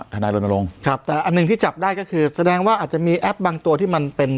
ทนายรณรงค์ครับแต่อันหนึ่งที่จับได้ก็คือแสดงว่าอาจจะมีแอปบางตัวที่มันเป็น